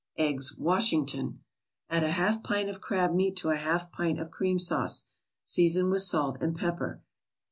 EGGS WASHINGTON Add a half pint of crab meat to a half pint of cream sauce. Season with salt and pepper.